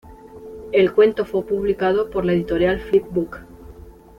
El cuento fue publicado por la editorial "Flip book".